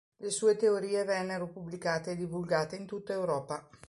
Le sue teorie vennero pubblicate e divulgate in tutta Europa.